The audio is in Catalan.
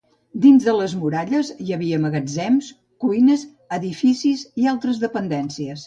Dins les muralles, hi havia magatzems, cuines, edificis i altres dependències.